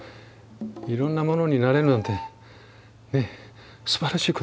いろんなものになれるなんてねっすばらしいことだよ。